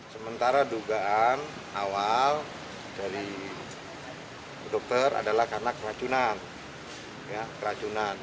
sementara dugaan awal dari dokter adalah karena keracunan